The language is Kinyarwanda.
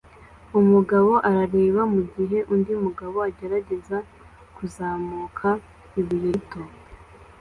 Umugabo arareba mugihe undi mugabo agerageza kuzamuka ibuye rito